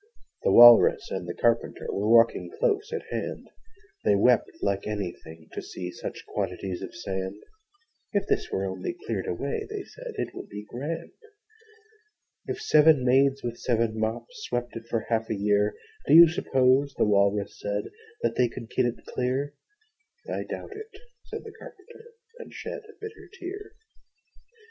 The Walrus and the Carpenter Were walking close at hand: They wept like anything to see Such quantities of sand: 'If this were only cleared away,' They said, 'it would be grand.' 'If seven maids with seven mops Swept it for half a year, Do you suppose,' the Walrus said, 'That they could get it clear?' 'l doubt it,' said the Carpenter, And shed a bitter tear.